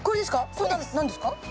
これ何ですか？